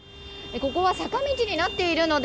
ここは坂道になっているので